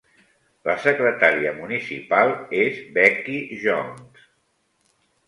La secretària municipal és Becky Jones.